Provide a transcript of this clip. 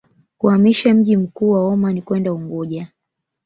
Kuhamisha mji mkuu wa Omani kwenda Unguja